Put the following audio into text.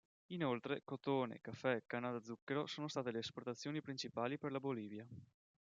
Inoltre, cotone, caffè, canna da zucchero sono state le esportazioni principali per la Bolivia.